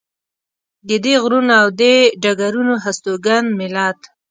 د دې غرونو او دې ډګرونو هستوګن ملت.